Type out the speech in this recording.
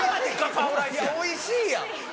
おいしいやん。